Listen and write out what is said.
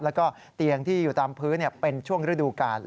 แล้วก็เตียงที่อยู่ตามพื้นเป็นช่วงฤดูกาล